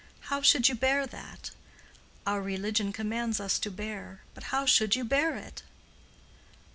How should you bear that! Our religion commands us to bear. But how should you bear it?"